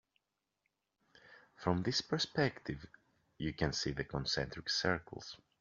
From this perspective you can see the concentric circles.